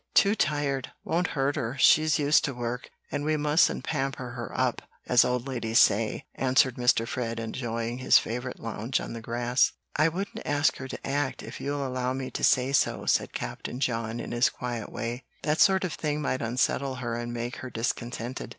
"Too tired. Won't hurt her; she's used to work, and we mustn't pamper her up, as old ladies say," answered Mr. Fred, enjoying his favorite lounge on the grass. "I wouldn't ask her to act, if you'll allow me to say so," said Captain John, in his quiet way. "That sort of thing might unsettle her and make her discontented.